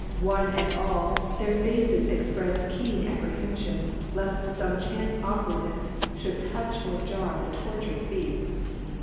One and all, their faces expressed keen apprehension, lest some chance awkwardness should touch or jar the tortured feet.